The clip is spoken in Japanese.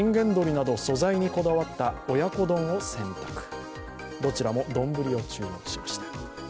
どちらも丼を注文しました。